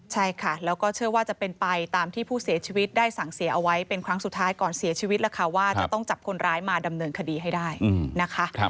ใช่ค่ะแล้วก็เชื่อว่าจะเป็นไปตามที่ผู้เสียชีวิตได้สั่งเสียเอาไว้เป็นครั้งสุดท้ายก่อนเสียชีวิตแล้วค่ะว่าจะต้องจับคนร้ายมาดำเนินคดีให้ได้นะคะ